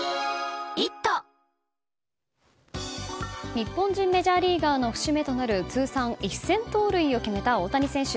日本人メジャーリーガーの節目となる通算１０００盗塁を決めた大谷選手。